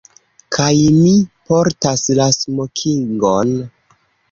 Kaj mi portas la smokingon.